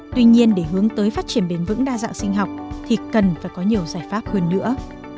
tuy nhiên để hướng tới phát triển bền vững đa dạng sinh học thì cần phải có nhiều giải pháp hơn nữa